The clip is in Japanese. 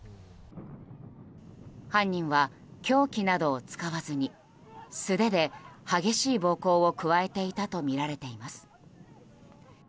犯人は凶器などを使わずに素手で激しい暴行を加えていたとみられています。